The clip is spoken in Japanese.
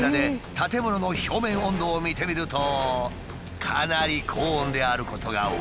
建物の表面温度を見てみるとかなり高温であることが分かる。